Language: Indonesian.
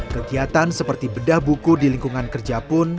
kegiatan seperti bedah buku di lingkungan kerja pun